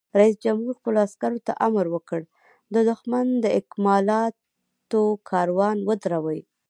رئیس جمهور خپلو عسکرو ته امر وکړ؛ د دښمن د اکمالاتو کاروان ودروئ!